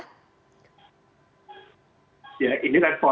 ya ini kan foto dari mbak nadie